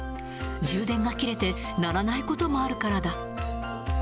充電が切れて鳴らないこともあるからだ。